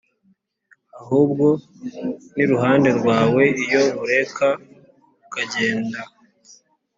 ahubwo n’iruhande rwawe iyo nkureka ukagendaa